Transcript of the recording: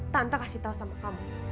tante kasih tau sama kamu